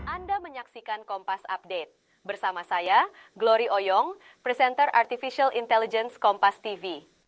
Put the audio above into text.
anda menyaksikan kompas update bersama saya glory oyong presenter artificial intelligence kompas tv